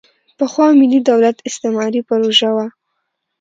پخوا ملي دولت استعماري پروژه وه.